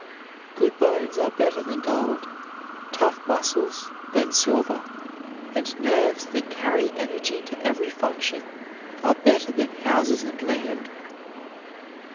Good bones are better than gold, tough muscles than silver, and nerves that carry energy to every function are better than houses and land.